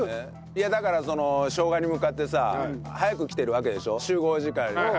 いやだからしょうがに向かってさ早く来てるわけでしょ集合時間よりも。